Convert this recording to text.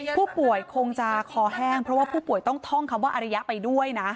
ผู้ป่วยคงจะคอแห้งเพราะว่าผู้ป่วยต้องท่องคำว่าอริยะไปด้วยนะ